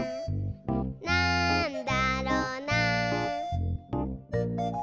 「なんだろな？」